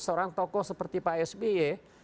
seorang tokoh seperti pak sby